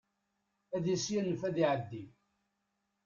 Ad as-yanef ad iɛeddi.